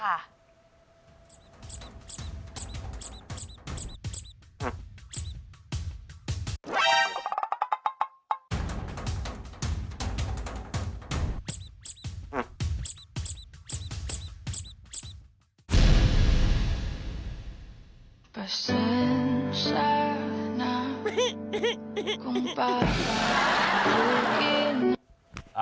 ประเซ็นทรานะ